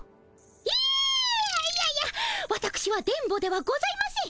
ええいやいやわたくしは電ボではございません。